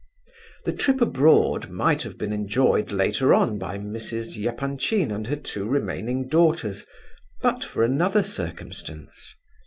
The trip abroad might have been enjoyed later on by Mrs. Epanchin and her two remaining daughters, but for another circumstance.